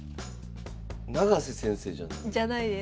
永瀬先生じゃない？じゃないです。